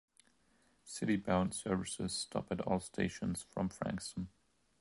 Citybound services stop at all stations from Frankston.